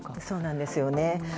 そうなんですよね。